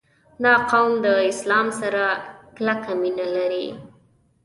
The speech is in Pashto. • دا قوم د اسلام سره کلکه مینه لري.